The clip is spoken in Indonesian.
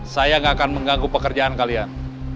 saya gak akan mengganggu pekerjaan kalian